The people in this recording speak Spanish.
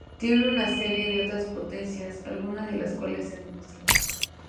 Tiene una serie de otras potencias, algunas de las cuales se ha demostrado.